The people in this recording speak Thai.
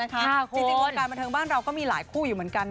จริงวงการบันเทิงบ้านเราก็มีหลายคู่อยู่เหมือนกัน